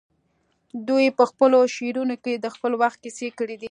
دوی په خپلو شعرونو کې د خپل وخت کیسې کړي دي